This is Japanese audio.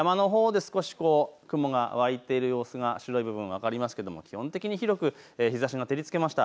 山のほうで少し雲が湧いている様子が白い部分、分かりますけれども基本的に広く日ざしが照りつけました。